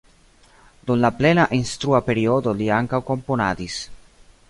Dum la plena instrua periodo li ankaŭ komponadis.